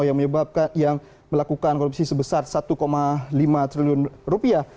yang melakukan korupsi sebesar satu lima triliun rupiah